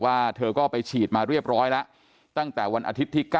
เธอก็ไปฉีดมาเรียบร้อยแล้วตั้งแต่วันอาทิตย์ที่๙